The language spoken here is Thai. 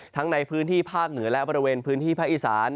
ทั้งในพื้นที่ภาคเหนือและบริเวณพื้นที่ภาคอีสาน